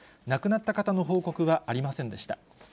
亡くなった方の報告はありませんでした。